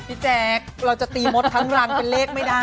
พี่แจ๊คเราจะตีมดครั้งรังเป็นเลขไม่ได้